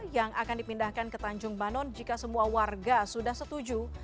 yang akan dipindahkan ke tanjung banon jika semua warga sudah setuju